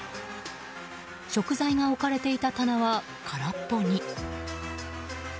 食材が置かれていた棚は空っぽに。